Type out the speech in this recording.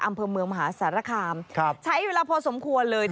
อำเภอเมืองมหาสารคามใช้เวลาพอสมควรเลย